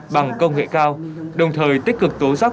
bằng công nghệ cao đồng thời tích cực tố giác